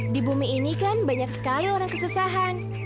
di bumi ini kan banyak sekali orang kesusahan